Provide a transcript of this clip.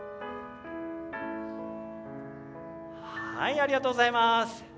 ありがとうございます。